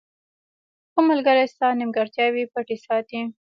• ښه ملګری ستا نیمګړتیاوې پټې ساتي.